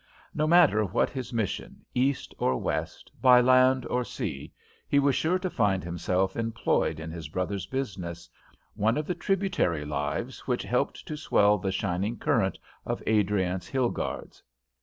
No matter what his mission, east or west, by land or sea, he was sure to find himself employed in his brother's business, one of the tributary lives which helped to swell the shining current of Adriance Hilgarde's.